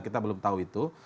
kita belum tahu itu